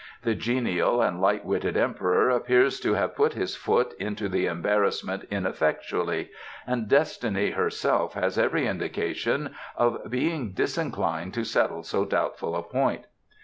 The genial and light witted Emperor appears to have put his foot into the embarrassment ineffectually; and Destiny herself has every indication of being disinclined to settle so doubtful a point.